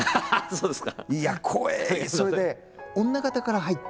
そうですか。